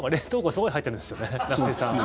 すごい入ってるんですよね。